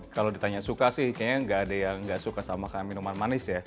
kalau ditanya suka sih kayaknya nggak ada yang nggak suka sama minuman manis ya